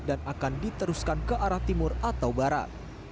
dan akan diteruskan ke arah timur atau barat